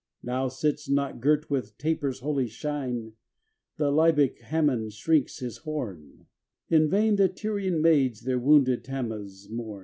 Now sits not girt with tapers' holy shine : The Libyc Hammon shrinks his horn ; In vain the Tyrian maids their wounded Thammuz mourn.